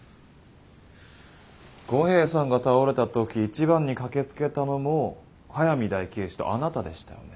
五兵衛さんが倒れた時一番に駆けつけたのも速水大警視とあなたでしたよね？